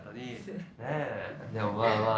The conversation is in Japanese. でもまあ